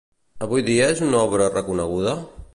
Avui dia és una obra reconeguda?